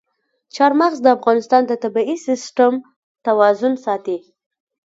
چار مغز د افغانستان د طبعي سیسټم توازن ساتي.